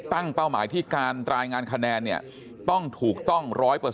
เป้าหมายที่การรายงานคะแนนเนี่ยต้องถูกต้อง๑๐๐